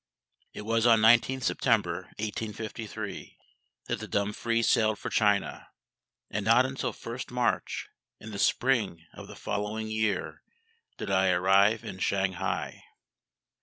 It was on 19th September 1853 that the Dumfries sailed for China; and not until 1st March, in the spring of the following year, did I arrive in Shanghai.